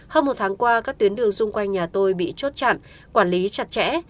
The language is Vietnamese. hơn một tháng qua các tuyến đường xung quanh nhà tôi bị chốt chặn quản lý chặt chẽ